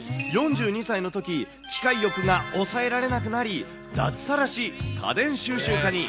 ４２歳のとき、機械欲が抑えられなくなり、脱サラし、家電収集家に。